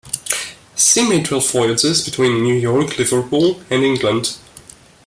She made twelve voyages between New York and Liverpool, England.